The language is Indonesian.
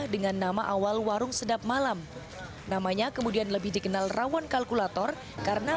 dengan nama awal warung sedap malam namanya kemudian lebih dikenal rawan kalkulator karena